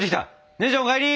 姉ちゃんお帰り！